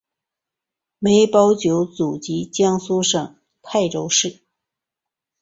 梅葆玖祖籍江苏省泰州市。